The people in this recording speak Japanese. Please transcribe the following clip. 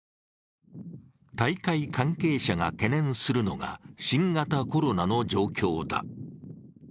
大会関係者が懸念するのが新型コロナの状況だ。